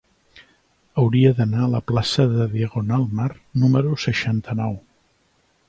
Hauria d'anar a la plaça de Diagonal Mar número seixanta-nou.